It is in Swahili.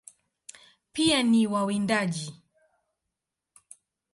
Pia ni wawindaji.